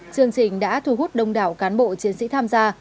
chương trình đã thu hút đông đảo cán bộ chiến sĩ tham gia